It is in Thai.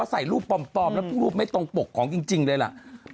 ใส่รูปปลอมแล้วรูปไม่ตรงปกของจริงเลยล่ะ